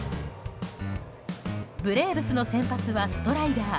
ブレーブスの先発はストライダー。